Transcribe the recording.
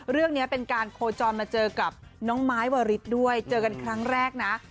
เรื่องนี้เป็นการโคจรมาเจอกับน้องไม้วาริสด้วยเจอกันครั้งแรกนะ